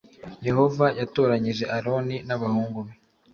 Yehova yatoranyije Aroni n abahungu be